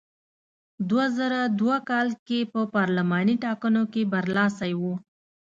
دوه زره دوه کال کې په پارلماني ټاکنو کې برلاسی و.